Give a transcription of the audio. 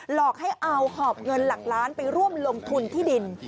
หลอกให้เอาหอบเงินหลักล้านไปร่วมลงทุนที่ดิน